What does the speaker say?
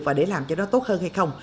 và để làm cho nó tốt hơn hay không